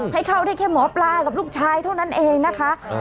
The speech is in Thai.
ให้เข้าได้แค่หมอปลากับลูกชายเท่านั้นเองนะคะ